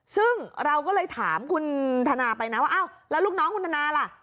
ซึ่งเราก็เลยถามคุณธนาไปนะว่าอ้าวแล้วลูกน้องคุณธนาล่ะ